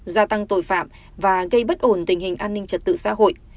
gia tăng tội phạm và gây bất ổn tình hình an ninh trật tự xã hội